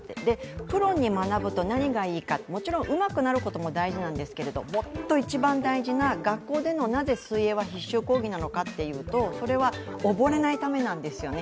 プロに学ぶと何がいいかもちろんうまくなることも大事なんですけどもっと一番大事な学校でのなぜ水泳は必修講義なのかというとそれは溺れないためなんですよね